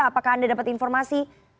apakah anda dapat informasi